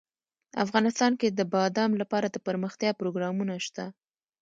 افغانستان کې د بادام لپاره دپرمختیا پروګرامونه شته.